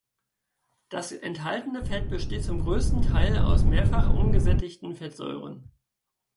Das enthaltene Fett besteht zum größten Teil aus mehrfach ungesättigten Fettsäuren.